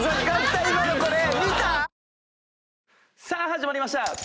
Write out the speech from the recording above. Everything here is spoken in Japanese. さあ始まりました。